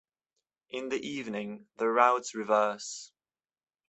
In the evening, the routes reverse.